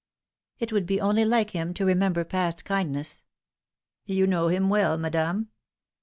247 " It would be only like him to remember past kindness." " You know him well, madame